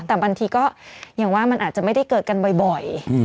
แต่บางทีก็อย่างว่ามันอาจจะไม่ได้เกิดกันบ่อย